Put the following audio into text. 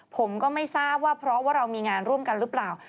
ผมก็ไม่ทราบว่าเพราะว่าเรามีงานร่วมกันหรือเปล่า